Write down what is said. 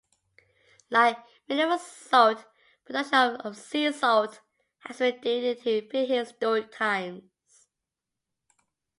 Like mineral salt, production of sea salt has been dated to prehistoric times.